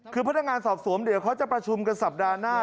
คือพนักงานสอบสวนเดี๋ยวเขาจะประชุมกันสัปดาห์หน้า